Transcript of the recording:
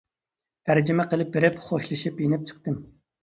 تەرجىمە قىلىپ بېرىپ خوشلىشىپ يېنىپ چىقتىم.